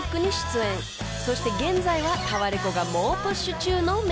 ［そして現在はタワレコが猛プッシュ中のメとメ］